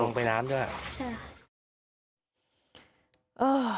ตกไปแล้ว